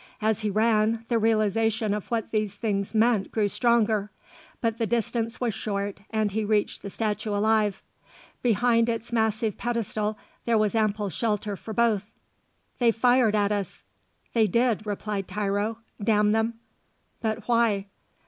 As he ran, the realisation of what these things meant grew stronger; but the distance was short and he reached the statue alive. Behind its massive pedestal there was ample shelter for both. "They fired at us." "They did," replied Tiro. "Damn them!" "But why?"